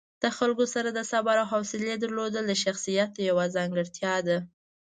د خلکو سره د صبر او حوصلې درلودل د شخصیت یوه ځانګړتیا ده.